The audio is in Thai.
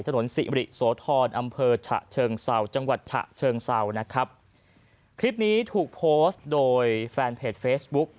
ถนนสิมริโสธรอำเภอฉะเชิงเศร้าจังหวัดฉะเชิงเศร้านะครับคลิปนี้ถูกโพสต์โดยแฟนเพจเฟซบุ๊ก